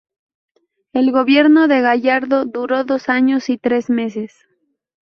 El gobierno de Gallardo duró dos años y tres meses.